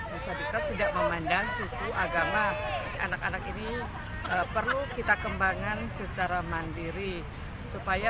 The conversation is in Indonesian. disabilitas tidak memandang suku agama anak anak ini perlu kita kembangkan secara mandiri supaya